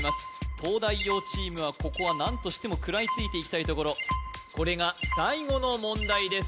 東大王チームはここはなんとしても食らいついていきたいところこれが最後の問題です